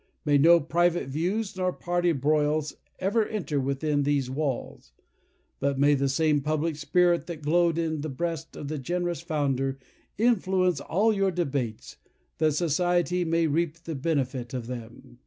May no private views nor party broils ever enter within these walls; but may the same public spirit that glowed in the breast of the generous founder influence all your debates, that society may reap the benefit of them.